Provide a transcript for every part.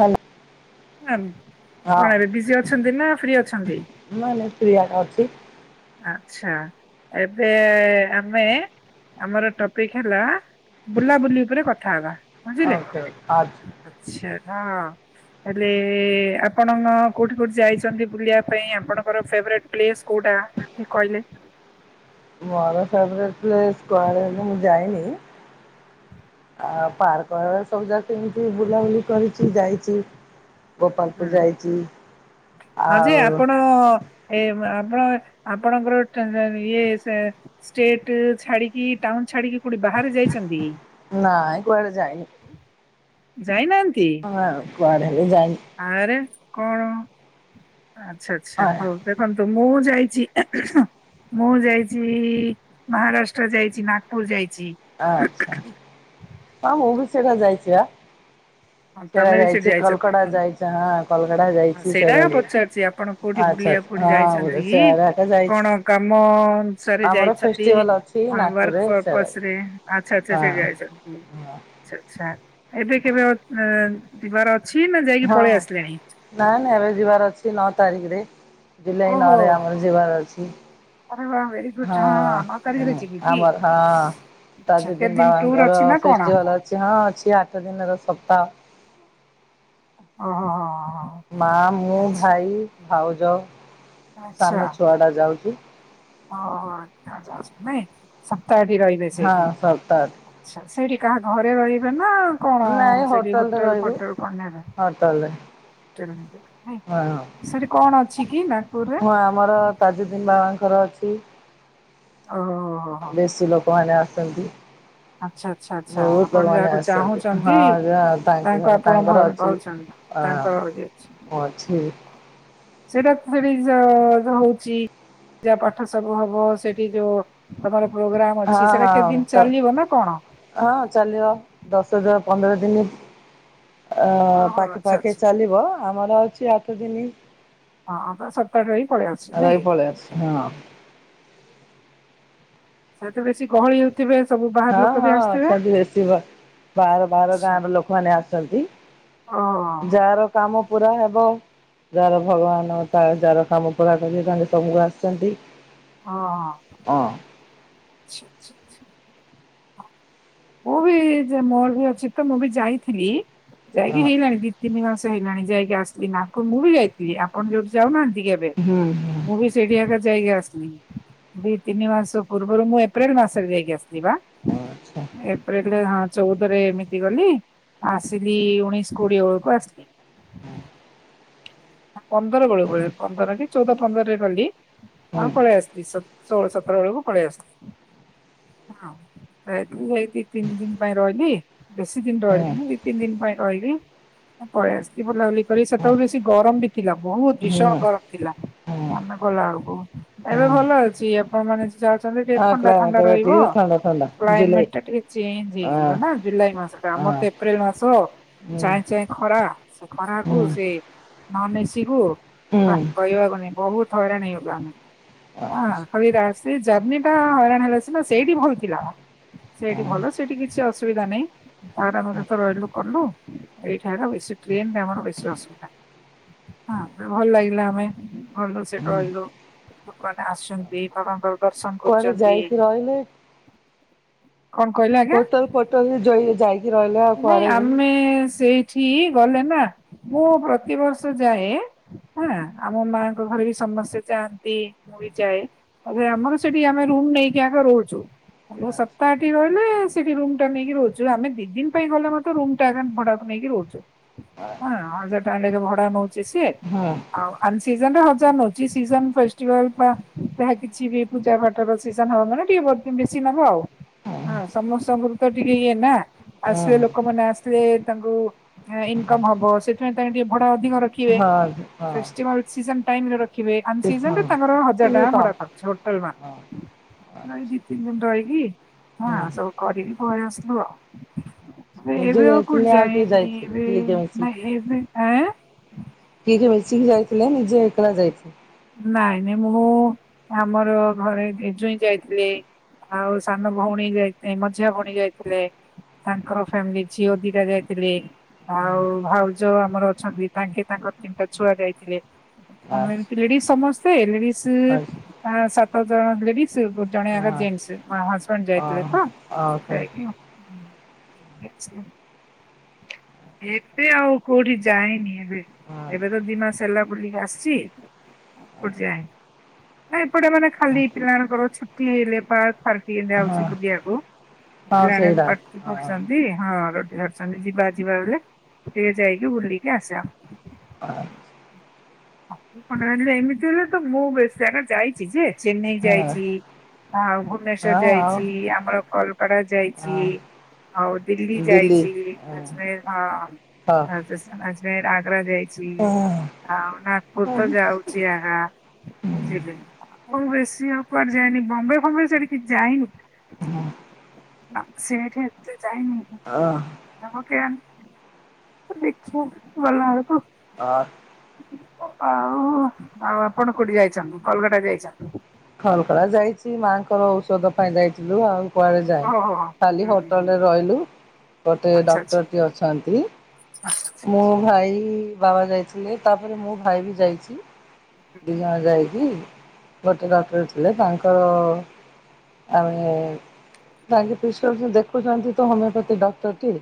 ଭଲ କଣ ଏବେ ବିଜି ଅଛନ୍ତି ନା ଫ୍ରି ଅଛନ୍ତି? ନାଇଁ ନାଇଁ ଫ୍ରି ଆର ଅଛି। ଆଚ୍ଛା ଏବେ ଆମେ ଆମର ଟପିକ୍ ହେଲା ବୁଲାବୁଲି ଉପରେ କଥା ହବା। ବୁଝିଲେ। [unintelligible] ଆଚ୍ଛା ହଁ। ହେଲେ ଆପଣ କୋଉଠି କୋଉଠି ଯାଇଛନ୍ତି ବୁଲିବା ପାଇଁ ଆପଣଙ୍କର ଫେବରେଟ୍ ପ୍ଲେସ୍ କୋଉଟା କି କହିଲେ? ମୋର ଫେବରେଟ୍ ପ୍ଲେସ କୁଆଡେ ହେଲେ ମୁଁ ଯାଇନି ଆ ପାର୍କ ସବୁ ଜାଗ କେମିତି ବୁଲାବୁଲି କରିଚି ଯାଇଛି ହୁଁ ଗୋପାଳପୁର ଯାଇଚି ହଁ ଯେ ଆଉ ଆପଣ ଏ ଆପଣ ଆପଣଙ୍କର ଇଏ ସେ ଷ୍ଟେଟ୍ ଛାଡିକି ଟାଉନ୍‌ ଛାଡିକି କୋଉଠି ବାହାରେ ଯାଇଚନ୍ତି ନାଇଁ କୁଆଡେ ଯାଇନି। ଯାଇନାନ୍ତି? ହଁ କୁଆଡେ ହେଲେ ଯାଇନି। ଆରେ କଣ ଆଚ୍ଛା ଆଚ୍ଛା ହଁ, ହୋଉ। ଦେଖନ୍ତୁ ମୁଁ ଯାଇଚି ମୁଁ ଯାଇଚି ମହାରାଷ୍ଟ୍ର ଯାଇଚି ନାଗପୁର ଯାଇଚି। ଆ ଆଚ୍ଛା ହଁ ମୁଁ ବି ସେଟା ଯାଇଚି ଆ ହଁ ତମେ ବି ସେଠି ଯାଇଚ ହଁ କୋଲକତା ତ ଯାଇଛି ସେଇଟା କା ବି। ପଚାରୁଛି ଆପଣ କୋଉଠି ଆଚ୍ଛା ବୁଲିବା କୋଉଠି ଆଚ୍ଛା ହଁ ବୁଝିଲି ଯାଇଛନ୍ତି କି? ସିଆଡେ ଏକା ଯାଇଛି। କଣ କାମ ଅନୁସାରେ ଆମର ଯାଇଛନ୍ତି ଫେଷ୍ଟିଭାଲ ଅଛି ହଁ ୱର୍କ ନାଗପୁରରେ ସେରା ପୂର୍ପୋସ ରେ ଆଚ୍ଛା ଆଚ୍ଛା ସେ ହଁ। ଯାଇଛନ୍ତି ହଁ ଆଚ୍ଛା ଆଚ୍ଛା ଏବେ କେବେ ଯିବାର ଅ ଛି ନା ଯାଇକି ପଳେଇ ହଁ ଆସିଲେଣି? ନାଇଁ ନାଇଁ ଏବେ ଯିବାର ଅଛି ନଅ ତାରିଖରେ ଜୁଲାଇ ଓହୋ ନଅରେ ଆମର ଯିବାର ଅଛି। ଆରେ ବାପ୍ ରେ। ହଁ ଉଁ ଆମର ହଁ ଆଚ୍ଛା କେତେ ତାଜୁଦିିନ ଦିନ ଟୁର ବାବାଙ୍କର ଅଛି ନା କଣ? ଫେଷ୍ଟିଭାଲ ଅ ହଁ ଅଛି ଆଠ ଦିନର ସପ୍ତାହ ଓହୋ ହ ହଁ ମା, ମୁଁ, ଭାଇ, ଭାଉଜ, ଆଚ୍ଛା ସାନ ଛୁଆ ଟା ଯାଉଛି। ଓହୋ ଆଚ୍ଛା ଆଚ୍ଛା ନାଇଁ ସପ୍ତାହଟି ରହିବେ ହଁ ସେଇଠି? ସପ୍ତାହରେ ଆଛା ସେଇଠି କାହା ଘରେ ରହିବେ ନା କଣ ନାଇଁ ସେଠି ହୋଟେଲରେ ହୋଟେଲ ରହିବୁ। ଫୋଟେଲ କଣ ନେବ? ହୋଟେଲରେ ହୋଟେଲ ନେବେ ନାଇଁ। ହଁ, ସେଠି କଣ ଅଛି କି ନାଗପୁରରେ? ଆମର ତାଜୁଦ୍ଦିିନ ବାବାଙ୍କର ଅଛି। ଓହୋ ହୋ ବେଶୀ ଲୋକମାନେ ଆସନ୍ତି। ଆଚ୍ଛା ଆଚ୍ଛା ଆଚ୍ଛା ବହୁତ ଆପଣ ଲୋକମାନେ ଯାହାକୁ ଆସିଛନ୍ତି ଚାହୁଁଛନ୍ତି, ହଁ ଯା ତାଙ୍କ ତାଙ୍କୁ ଆପଣ ତାଙ୍କର ଭଲ ଅଛି ପାଉଛନ୍ତ ତାଙ୍କ ହଁ [unintelligible] ଅଛି ସେଟା ସେଠି ଯ ହଉଛି। ପୂଜା ପାଠ ସବୁ ହବ ସେଠି ଯୋଉ ତମର ପ୍ରୋଗ୍ରାମ ଅଛି ହଁ ସେଟା କେତେ ହଁ ଦିନ ତ ଚାଲିବ ନା କଣ? ହଁ, ଚାଲିବ ଦଶ ଯା ପନ୍ଦର ଦିନି ଅ ଓହୋ ପାଖେ ଆଚ୍ଛା ପାଖେ ଆଚ୍ଛା। ଚାଲିବ, ଆମର ଅଛି ଆଠ ଦିନି। ହଁ ତ ସପ୍ତାହଟେ ରହି ପଳେଇ ଆସୁଛ ଆ ଯାଇ ନାଇଁ ପଳେଇ ଆସି। ହଁ। ସେଥି ବେଶୀ ଗହଳି ହେଉ ଥିବେ ସବୁ ବା ହଁ, ହଁ, ହଁ ଅଛନ୍ତି ବେଶୀ ବ ବାହାର ବାହାର ଗାଁ ର ଲୋକମାନେ ଆସନ୍ତି। ହଁ ହଁ। ଯାର କାମ ପୁରା ହେବ ଯାର ଭଗବାନ ତା ଯାର କାମ ପୁରା କରିଛନ୍ତି ସବୁକୁ ଆସିଛନ୍ତି। ହଁ। ହଁ ହଁ। ମୁଁ ବି ଯେ ମୋର ବି ଅଛି ତ ମୁଁ ବି ଯାଇଥିଲି ହଁ ଯାଇକି ହେଇଲାଣି ଦି ତିନି ମାସ ହେଇଗଲାଣି ଯାଇକି ଆସିଲି ନା କ ମୁଁ ବି ଯାଇଥିଲି। ଆପଣ ଯୋଉଠି ଯାଉନାହାନ୍ତି କି ଏବେ ହୁଁ ହୁଁ ମୁଁ ବି ଟେଡିଆଟା ଯାଇକି ଆସିଲି, ଦି ତିନି ମାସ ପୂର୍ବରୁ ମୁଁ ଏପ୍ରିଲ ମାସରେ ଯାଇକି ଆସିଲି ବା। ଆଚ୍ଛା। ଏପ୍ରିଲରେ ହଁ ଚଉଦରେ ଏମିତି ଗଲି, ଆସିଲି ଉଣେଇଶ କୋଡିଏ ବେଳକୁ ଆସିଲି ହୁଁ। ପନ୍ଦର ବେଳୁ ପଳେଇ ପନ୍ଦର କି ଚଉଦ ପନ୍ଦରରେ ଗଲି କଣ ହୁଁ ପଳେଇ ଆସିଥି ସ ଷୋହଳ ସତର ବେଳକୁ ପଳେଇ ଆସଥିଲି। ହଁ। ଏ ଏଇ ଦି ତିନି ଦିନ ପାଇଁ ରହିଲି, ବେଶୀ ଦିନ ରହିଲିି ହୁଁ ନି ଦି ତିନି ଦିନ ପାଇଁ ରହିଲି, ପଳେଇ ଆସଥି ବୁଲାବୁଲି କରି ସେତେବେଳେ ବେଶୀ ଗରମ ବି ଥିଲା ବହୁତ ଭୀଷଣ ଗରମ ଥିଲା ଆମେ ଗଲା ବେଳକୁ ଏବେ ଭଲ ଅଛି ଆପଣ ମାନେ ଯାଉ ତମେ ଟିକେ ଥଣ୍ଡା ଥଣ୍ଡା ରହିବ କ୍ଲାଇମେଟ ଟା ଟିକେ ଚେଞ୍ଜ ହେଇଯିବ ନା ଜୁଲାଇ ମାସ ଆମର ତ ଏପ୍ରିଲ ମାସ ଚାଏଁ ଚାଏଁ ଖରା ସେ ଖରାକୁ ସେ ନନ ଏସିବୁ ବା ହୁଁ କହିବାକୁ ନାଇଁ ବହୁତ ହଇରାଣ ହେଇଗଲୁ ପୁରା ଆମେଁ [unintelligible] ସେ ଜର୍ଣିି ଟା ହଇରାଣ ହେଲା ସିନା ସେଇଠି ଭଲଥିଲା। ସେଇଠି ଭଲ ସେଇଠି କିଛି ଅସ ଅସବିଧା ନାଇଁ। ଆମେ ତା ପରେ ତ ରହିଲୁ କଲୁ ଏଇଠାରେ ବେଶୀ ଟ୍ରେନ ରେ ଆମର ବେଶୀ ଅସୁବିଧା ହଁ ଭଲ ଲାଗିଲା ଆମେ ଭଲ ସେ ଗଲୁ ଲୋକମାନେ ଆସୁଛନ୍ତି, ଭଗବାନଙ୍କର ଦର୍ଶନ କୁଆଡେ କରୁଛନ୍ତି। ଯାଇକି ରହିଲେ କଣ କହିଲେ? ଆଜ୍ଞା ହୋଟଲ ଫୋଟଲ ଯଇ ଯାଇ ନାଇଁ ଆମେ ସେଇଠି ଗଲେ ନା, ମୁଁ ପ୍ରତିବର୍ଷ ଯାଏ। ହଁ ଆମ ମାଙ୍କ ଘରେ ବି ସମସ୍ତେ ଯହାଆନ୍ତି ମୁଁ ବି ଯାଏ। ଆରେ ଆମର ସେଠି ଆମେ ରୁମ ନେଇକି ଆଗେ ରହୁଛୁ। [unintelligible] ରହିଲେ ସେଠି ରୁମ ଟା ନେଇକି ରହୁଛୁ। ଆମେ ଦି ଦିନ ପାଇଁ ଗଲେ ମଧ୍ୟ ରୁମ ଟା [unintelligible] ଭଡାକୁ ନେଇକି ରହୁଛୁ। ହଁ ହଜାର ଟଙ୍କା [unintelligible] ଭଡା ନଉଚି ସିଏ। ହଁ ଆଉ [unintelligible] ସିଜନରେ ହଜାର ନଉଛି। ସିଜନ ଫେଷ୍ଭାଲ ବା ଯହା କିଛି ବି ପୂଜ [unintelligible] ବେଶୀ ନବ ଆଉ। ହଁ ସମସ୍ତଙ୍କର ତ ଟିକେ ଇଏ ନା। ଆସିଲେ ଲୋକମାନେ ଆସିଲେ ତାଙ୍କୁ ଇନକମ୍ ହବ ସେଥିପାଇଁ ତାଙ୍କେ ଟିକେ ଭଡା ଅଧିକ ର [unintelligible] ହଁ ହଁ ଖ ଠିକ୍ ହଁ ସିରେ ତାଙ୍କର ହଜାର ଇଏ ଟ କଣ ଭଡାଛି ହୋଟେଲ ମନ୍ ନଇ ଦି ତିନି ଦିନ ରହକି ମୁଁ ହଁ ଆ ସବୁ କରିବି କହି ଆସିଲୁ ଆଉ। ନିଜେ ଏବେ ଆଉ କଉଠି ଯାଇଥିଲେ କିଏ ଯାଇନି। ଯାଇଥିଲେ କିଏ କିଏ ମିଶିକି [unintelligible] ଆଁ? [unintelligible] ମିଶିକି ଯାଇଥିଲେ ନିଜେ ଏକଳା ଯାଇଥିଲେ? ନାଇଁ ନାଇଁ ମୁଁ ଆମର ଘରେ [unintelligible] ଯାଇଥିଲେ। ଆଉ ସାନ ଭଉଣୀ ଯାଇ [unintelligible] ମଝିଆ ଭଉଣୀ ଯାଇଥିଲେ। ତାଙ୍କର ଫ୍ୟାମିଲି ଝିଅ ଦିିଟା ଯାଇଥିଲେ। ଆଉ ଭାଉଜଉ ଆମର ଅଛନ୍ତି, ତାଙ୍କେ ତାଙ୍କର ତିନିଟା ଛୁଆ ଯାଇଥିଲେ। ଆ ଆମେ ଏମିତି ଲେଡିସ୍ ସମସ୍ତେ ଲେଡିସ୍ ସାତ ଜଣ ଲେଡିସ୍ ଗୋଟ ଜଣଗ ହଁ ଜେଣ୍ଟସ ହଜବେଣ୍ଡ ଅ ଯାଇଥିଲେ ତ ଓହୋ ସେଇଠି ଆଉ। [unintelligible] ଏବେ ଆଉ କୋଉଠି ଯାଇନି ଏବେ। ହଁ ଏବେ ତ ଦିମାସ ହେଲା ବୁଲିକି ଆସିଛି। [unintelligible] ଏପଟେ ମାନେ ଖାଲି ପିଲାଙ୍କର ଛୁଟି ହେଲେ ଫାର୍କ ହଁ [unintelligible] ବୁଲିବାକୁ। ହଁ ପିଲା ମାନେ ସେଇଟା ପାଟି ହଁ କୁଛନ୍ତି, ହଁ ରଟି ସାଙ୍ଗେ ଯିବା ଯିବା ବେଲି, ଟିକେ ଯାଇକି ବୁଲିକି ଆସିବା। ଆ ହ ଏମିତି ହେଲେ ତ ମୁଁ ବେଶ ଜାଗା ଯାଇଛି ଯେ ଚେନ୍ନାଇ ହଁ ଯାଇଛି। ହଁ ହଉ ଭୁବନେଶ୍ଵର ହଁ ଆଉ ଯାଇଛି ଆମର କଲକଡା ଯାଇଛି। ହଁ ଆଉ ଦିଲ୍ଲୀ ଯାଇଛି, ଆଜମେର ହଁ। ହଁ। [unintelligible] ଆଗ୍ରା ଯାଇଛି, ଆଉ ନଗପୁର ତ ଯାଉଛି। [unintelligible] ବୁଝିଲେ ହଉ ବେଶୀ ଆଉ କୁଆଡ ଯାଇଏନି ବମ୍ବେ ଫମ୍ବେ ସେଠ ଯାଇନୁ। ନା ସେ ଏଠି ତ ଯାଇନୁ। ନ କେ ଦେଖିବା [unintelligible] ଆ ଆଉ ଆଉ ଆପଣ କୋଉଠି ଯାଇଛନ୍ତି? କଲଗଟା ଯାଇଛନ୍ତି? ଖଲକଳା ଯାଇଛି, ମାଆଙ୍କର ଔଷଧ ପାଇଁ ଯାଇଥିଲୁ ଆଉ। ଓହୋ ହୋ [unintelligible] ଖାଲି ହୁଁ ହୁଁ ହୋଟେଲରେ ରହିଲୁ। ଗୋଟେ ଆଚ୍ଛା ଆଚ୍ଛା ଡକ୍ଟରଟି ଅଛନ୍ତି। ଆଚ୍ଛା ଆଚ୍ଛା। ମୁ ଭାଇ ବାବା ଯାଇଥିଲେ, ତାପରେ ମୋ ଭାଇ ବି ଯାଇଛି। ଦୁଇ ଜଣ ଯାଇକି [unintelligible] ଡକ୍ଟର ଥିଲେ ତାଙ୍କର ଆମେ ତାଙ୍କ ପି ଦେଖୁଛନ୍ତି ତ ହୋମିଓପାଥି ଡକ୍ଟର ଟି।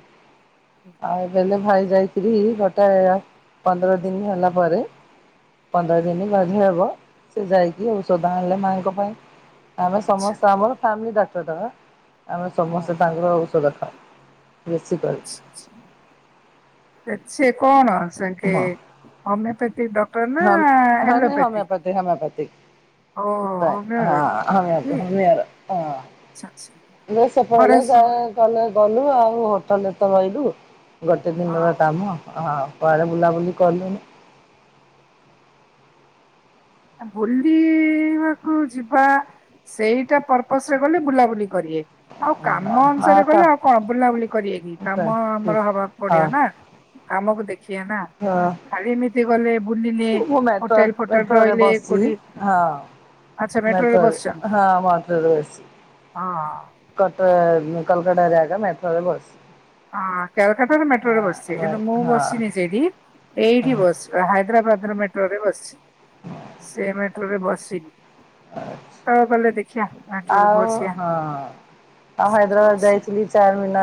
ଆଉ ବଲେ ଭାଇ ଯାଇଥିଲି ଗୋଟେ ପନ୍ଦର ଦିନ ହେଲା ପରେ ପନ୍ଦର ଦିନ ବଧେ ହେବ ସେ ଯାଇକି ସଧା ଆଣିଲେ ମାଙ୍କ ପାଇଁ ଆମେ ଆଚ୍ଛା ସମସ୍ତେ ଆମର ଫ୍ୟାମିଲି ଡାକ୍ତରଟାବା ଆମେ ଓ ସମସ୍ତେ ତାଙ୍କର ଔଷଧ ଖାଉ ବେଶୀ କରି ଛ କଣ [unintelligible] ହଁ ହୋମିଓପାଥି ଡ ଆପ ନା ଏଲୋପତି ହମିଓପାତି ଅ ହୋମିଓ ହ ଡକ୍ଟର ନାଇଁ ହ କି? ହମ୍ ଆଚ୍ଛା ଆଚ୍ଛା ଯ ସେପଳଲେ ଫରେଷ୍ଟ ଯା କହିଲେ ଗଲୁ ଆଉ ହୋଟେଲରେ ତ ରହିଲୁ ଗୋଟେ ହଁ ଦିନର କାମ ହଁ କୁଆଡ଼େ ବୁଲାବୁଲି କଲୁନି ବୁଲିବାକୁ ଯିବା ସେଇଟା ପର୍ପସ ରେ ଗଲେ ବୁଲାବୁଲି କରିବେ ଆଉ କାମ ଅନୁସାରେ ଗଲେ ଆଉ କଣ ବୁଲାବୁଲି କରିବେ କିି କାମ ଆମର ହବାକୁ ପଡିବ ନା କାମକୁ ଦେଖିବା ନା ଖାଲି ଏମିତି ଗଲେ ବୁଲିଲେ ହୋଟେଲ ଫୋଟେଲ ରେ ରହିଲେ କୋଉଠି ବସିଛି ହଁ ଆଚ୍ଛା ମେଟ୍ରୋରେ ମେଟୋରେ ବସିଛନ୍ତି ହଁ ମଟୋରେ ବସିଛି ହଁ କଟ କଲକ ଟାରେ ଏକା ମେଟ୍ରରେ ବସି ହଁ କଲକଟା ତ ମେଟ୍ରୋରେ ବସଚି ମୁଁ ବସନି ସେଡି ଏଇଠ ବସ୍ ହାଇଦ୍ରାବାଦ ର ମେଟ୍ରୋ ରେ ବସିଛି ସେ ମେଟ୍ରୋ ରେ ବସିନି କେତେବେଳ ଗଲେ ଦେଖିବା ମେଟ୍ରୋରେ ଆଉ ବସିବା। ହଁ ଆଉ ସେଠି ହାଇଦ୍ରାବାଦ ବସିବା। ଯାଇଥିଲି ଚାରି ମିନ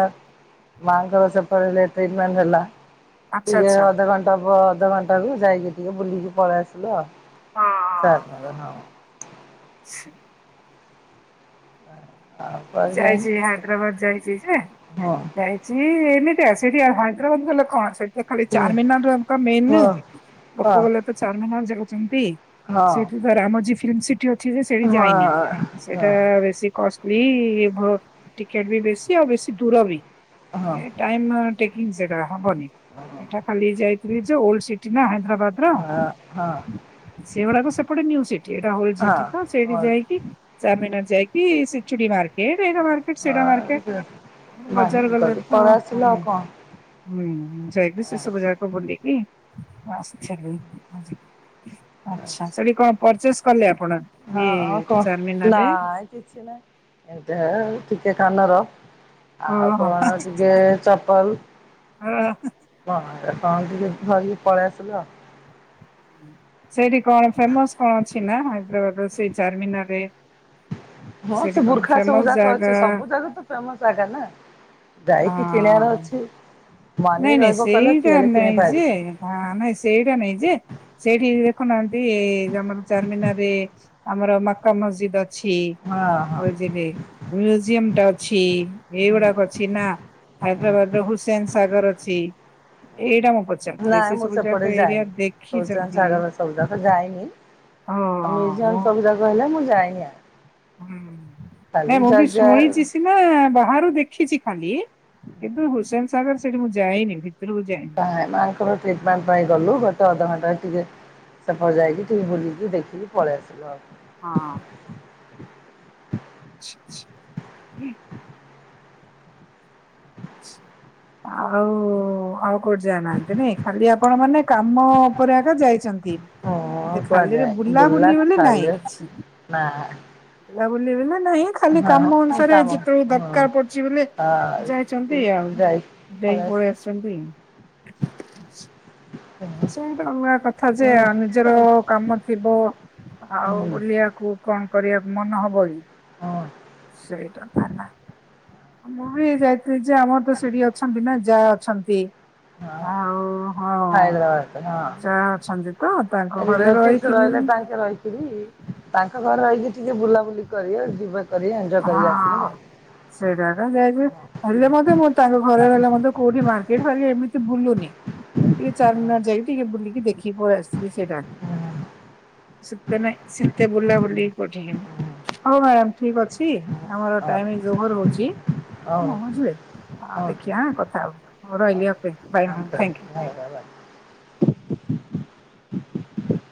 ମାଙ୍କର ସେପିଲେ ଟ୍ରିଟମେଣ୍ଟ ଆଚ୍ଛା ହେଲାେ ଆଚ୍ଛା ହଁ ଅଧଘଣ୍ଟା ଦବ ଅଧଘଣ୍ଟା ରୁ ଯାଇକି ଟିକେ ବୁଲିକି ପଳେଇ ଆସିଲୁ ଆଉ ହଁ। ସାର୍ ହଁ [inaudible] ଆଉ ମୁଁ କୁଆଡେ ଯାଇନି ଯାଇଛି ହାଇଦ୍ରାବାଦ ଯାଇଛି ଯେ ଯାଇଛି ସିଏ ଏମିତି ଆ ସେଠି ହାଇଦ୍ରାବାଦ ଗଲେ କଣ ସେଠ ଖାଲି ହଁ ଚାରମିନାରରେମ ମେନ୍ ହଁ ଲୋକ ହଁ ବଲା ତ ଚାରମିନାଲ ଯାଉଛନ୍ତି ହଁ ସେଠି ତ ଆମର ଯ ଫିଲ୍ମ ସିଟି ଅଛି ଯେ ସେଠି ହଁ ଯାଇନି ସେଇଟା ବେଶୀ କଷ୍ଟ ଟିକେଟ ବି ବେଶୀ ଆଉ ବେଶୀ ଦୂର ବି ହଁ ଟାଇମ୍ ଟେକିଙ୍ଗ ସେଟା ହବନି ମୁଟା ଖାଲି ଯାଇଥିଲି ଯେ ଓଲ୍ଡ ସିଟି ନା ହାଇଦ୍ରାବାଦ ର ହଁ ହଁ ସେଗୁଡାକ ସେପଟେ ନିୟୁ ସିଟି ଏଇଟା ହୋଲ ସିଟ ତ ସେଠି ଯାଇକି ଚାମିନାର ଯାଇକି ଚୁଡି ମାର୍କେଟ ଏଇଟା ମାର୍କେଟ ସେଟା ମାର୍କେଟ ହଁ ବଜାର ଗଲେ ତ ପଳେଇ ଆସିଲ ଆଉ ହୁଁ ଯାଇକି ସେ ସବୁ ଯାକ ବୁଲିକି ଆସିଲି। ଆଛା ସେଠି କଣ ପରଚେସ୍ କଲେ ଆପଣ। ଇଏ ହଁ କହ ଚାରମିନାରରେ? ନାଇ କିଛି ନାଇଁ ଏମିତି ଟିକେ କାନର ଆଉ ଓହୋ କଣ ଟିକେ ଚପଲ ହଁ କଣ ଟିକେ ଧରିକି ପଳେଇ ଆସିଲୁ ଆଉ। ସେଇଠି କଣ ଫେମସ କଣ ଅଛି ନା ହାଇଦ୍ରାବାଦ ସେଇ ଚାରମିନାରରେ। ହଁ ସେଠି ସେ କଣ ବୁର୍ଖା ସବୁ ଫେମସ ଯାକ ଅଛି ଜାଗା ସବୁ ଯାଗ ତ ତମ ଜଗା ନା ଯାଇକି କିଣିବାର ହଁ ଅଛି। ମନି ନାଇଁ ନାଇଁ ରହିବ କହିଲେ କିଏ ସେଇଟା ହେଲେ ନାଇଁ କିଣିପାରିବ। ଯେ ନାଇଁ ସେଇଟା ନାଇଁ ଯେ ସେଇଠି ଦେଖୁନାହାନ୍ତି ଆମର ଚାରମିିନାରରେ ଆମର ମକା ମସଜିଦ୍ ଅଛି। ଅଛି ହଁ ହଁ ବରଦଡେ। ମ୍ୟୁଜିୟମ ଟା ଅଛି ହୁଁ ଏଇଗୁଡାକ ଅଛି ନା ହାଇଦ୍ରାବାଦର ହୁସେନ। ସାଗର ଅଛି ଏଇଟା ମୁଁ ପ ନାଇଁ ମୁଁ ସେପଟେ ଯାଇନି ଚୌଚ ଦେଖିଛନ୍ତି। ସାଗର ସବୁଯାକ ଯାଇନି ହଁ ଆଉ ମୁଁ ମିୟୁଜିଅମ ସୁବୁଜାକ ହେଲେ ମୁଁ ଯାଇନି ହାଆଡେ। ହୁଁ ନାଁ ମୁଁ ବି ଶଣିଛି ସି ହଁ ବାହାରୁ ଦେଖିଛି ଖାଲି କିନ୍ତୁ ହୁସେନ ସାଗର ସେଠି ମୁଁ ଯାଇନି ଭିତରକୁ ଯାଇନି। ନାଇ ମାଙ୍କର ଟ୍ରିଟମେଣ୍ଟ ପାଇଁ ଗଲୁ ଗୋଟେ ଅଧଘଣ୍ଟାରେ ଟିକେ ସେପଟେ ଯାଇକି ଟିକେ ବୁଲିକି ଦେଖିକି ପଳେଇ ଆସିଲୁ ଆଉ। ହଁ ଅଁ। [inaudible] ଆଉ ଆଉ କୋଉଠି ଯାଇ ନାହାନ୍ତି ନାଇ ଖାଲି ଆପଣ ମାନେ କାମ ଉପରେ ଏକା ଯାଇଛନ୍ତି। ହଁ [unintelligible] କୁଆଡେ ଖାଲିରେ ଯାଇନି ବୁଲା ବୁଲି ବୋଲି ନାଇଁ ଖାଲି କିଛି। ନା ବୁଲାବୁଲି ହେଲେ ନାଇଁ ଖାଲି କାମ ହଁ ଅନୁସାରେ କାମ ଯିବାକୁ ହଁ ଦରକାର ପଡୁଚି ବୋଇଲେ ଯାଇ ଯାଆନ୍ତି ହଁ ଯାଇ ଯାଇକି ପଳେଇ ପାଲେଇଆସନ୍ତି। ଆସିଲୁ। ଶୁଣ [unintelligible] କଥା ଯେ ହୁଁ ନିଜର କାମ ଥିବ ଆଉ ହୁଁ ବୁଲିବାକୁ କଣ କରିବାକୁ ମନ ହବ କି? ହଁ ସେଇଟା ତା ମୁଁ ବି ଯାଇ ଯେ ଆମର ତ ସେଠି ଅଛନ୍ତି ନା ଯା ଅଛନ୍ତି। ହଁ ଆଉ ହଁ। ହାଇଦ୍ରାବାଦରେ। ଯା ଅଛନ୍ତି ତ ତାଙ୍କ ହଁ ଘରେ ରିଲେଟିଭିସ ରହିଥିଲି ରହିଲେ ତାଙ୍କେ ରହିଲେ। ତାଙ୍କ ଘର ହେଇକି ଟିକେ ବୁଲାବୁଲି କରି ଯିବା କରି ଏଞଜୟ କରିକି ଆସିବ ହଁ। ଆଉ। ସେଇଟା ଏକା ଯାଇକିି କହିଲେ ମ ମୁଁ ତାଙ୍କ ଘରେ ରହିଲେ ମତେ କଉଠି ମାର୍କେଟ ଫାର୍କେଟ ଏମିତି ବୁଲୁନି ଟିକେ ଚାରମିନାର ଯାଇକି ଟିକେ ବୁଲିକି ଦେଖି ପଳେଇ ଆସିବି। ସେଇଟା ଶତ ସେତେ ନାଇ ସେତେ ବୁଲାବୁଲି କୋଠି ହଉ ମ୍ୟାଡାମ ଠିକ ଅଛି ଆମର ଆଉ। ଟାଇମ୍ [unintelligible] ଓଭର ହଉଚି ହଁ। ବୁଝିଲେ। ହଁ ଦେଖିବାଁ କଥା ହବା ହଁ ରହିଲି ଓକେ ବାୟ ହଁ ଥ୍ୟାଙ୍କୟୁ। ହଁ।